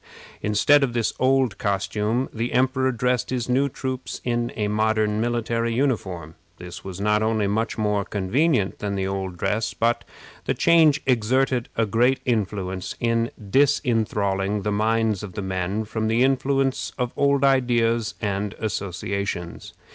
Instead of this old costume the emperor dressed his new troops in a modern military uniform. This was not only much more convenient than the old dress, but the change exerted a great influence in disenthralling the minds of the men from the influence of old ideas and associations.